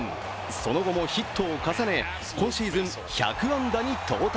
その後もヒットを重ね、今シーズン１００安打に到達。